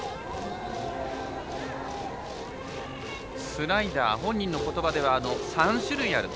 スライダー、本人のことばでは３種類ある。